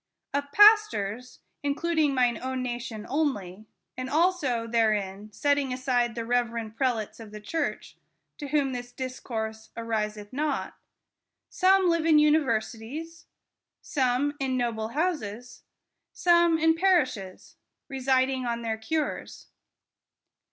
Of Pastors (intending mine own nation only; and also therein setting aside the reverend prelates of the church, to whom this discourse ariseth not), some live in the universities ; some in noble houses ; some in par ishes, residing on their cures.